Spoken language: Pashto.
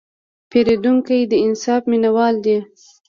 پیرودونکی د انصاف مینهوال دی.